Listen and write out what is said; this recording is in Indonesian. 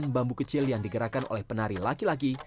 delapan bambu kecil yang digerakkan oleh penari laki laki